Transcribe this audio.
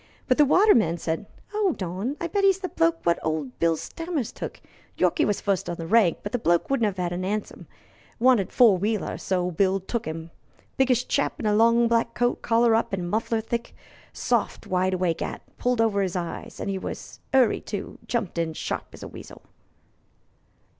But the waterman said: "'Old on I bet 'e's the bloke wot old Bill Stammers took. Yorkey was fust on the rank, but the bloke wouldn't 'ave a 'ansom wanted a four wheeler, so old Bill took 'im. Biggish chap in a long black coat, collar up an' muffled thick; soft wide awake 'at, pulled over 'is eyes; and he was in a 'urry, too. Jumped in sharp as a weasel."